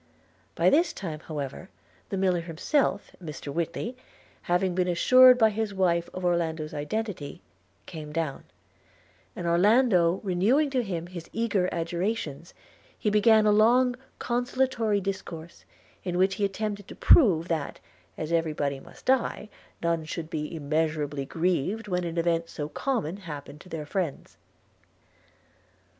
By this time, however, the miller himself, Mr Whitly, having been assured by his wife of Orlando's identity, came down; and Orlando renewing to him his eager adjurations, he began a long consolatory discourse, in which he attempted to prove that, as every body must die, none should be immeasurably grieved when an event so common happened to their friends.